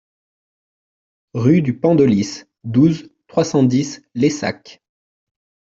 Rue du Pendelys, douze, trois cent dix Laissac